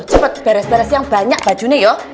cepet beres beres yang banyak bajunya ya